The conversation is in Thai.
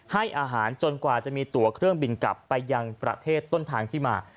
ให้อาหารจนกว่าจะมีตัวเครื่องบินกลับไปยังประเทศต้นทางที่มา